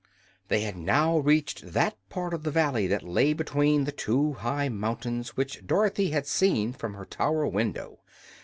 They had now reached that part of the valley that lay between the two high mountains which Dorothy had seen from her tower window.